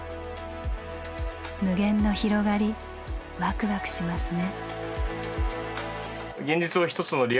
無限の広がりワクワクしますね。